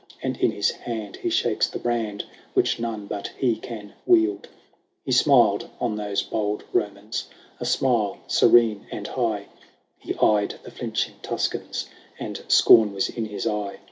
And in his hand he shakes the brand Which none but he can wield. XLIII He smiled on those bold Romans A smile serene and high ; He eyed the flinching Tuscans, And scorn was in his eye.